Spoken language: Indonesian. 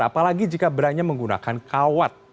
apalagi jika branya menggunakan kawat